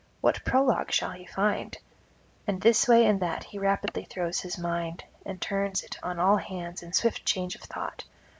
what prologue shall he find? and this way and that he rapidly throws his mind, and turns it on all hands in swift change of thought.